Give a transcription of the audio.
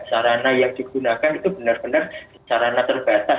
sarana yang digunakan itu benar benar sarana terbatas